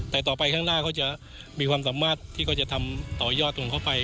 แต่ต่อไปข้างหน้าเขาจะมีความสามารถที่เขาจะทำต่อยอดของเขาไป